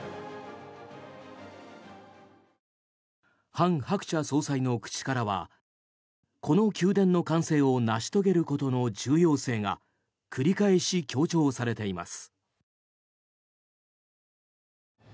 ハン・ハクチャ総裁の口からはこの宮殿の完成を成し遂げることの重要性が繰り返し強調されています。